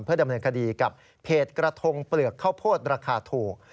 ดำเนินคดีกับเพจกระทงเปลือกข้าวโพดราคาถูก